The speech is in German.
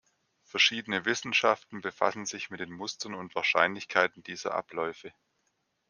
Verschiedene Wissenschaften befassen sich mit den Mustern und Wahrscheinlichkeiten dieser Abläufe.